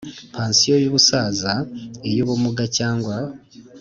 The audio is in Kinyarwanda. pansiyo y ubusaza iy ubumuga cyangwa